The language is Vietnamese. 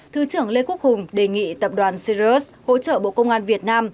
thứ trưởng lê quốc hùng đề nghị tập đoàn sirius hỗ trợ bộ công an việt nam